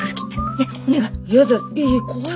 ねっお願い。